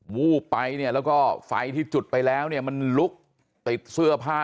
วูบไปเนี่ยแล้วก็ไฟที่จุดไปแล้วเนี่ยมันลุกติดเสื้อผ้า